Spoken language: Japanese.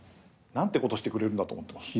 なんてことしてくれるんだと思ってます。